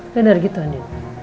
bener gitu andi